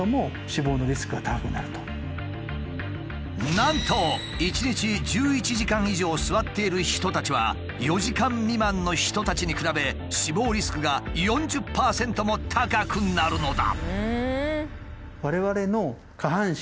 なんと１日１１時間以上座っている人たちは４時間未満の人たちに比べ死亡リスクが４０％も高くなるのだ。